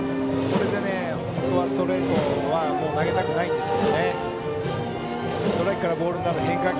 これで本当はストレートをもう投げたくないんですが。